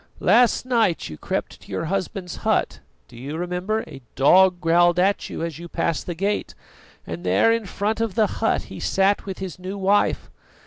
Last night you crept to your husband's hut do you remember, a dog growled at you as you passed the gate? and there in front of the hut he sat with his new wife.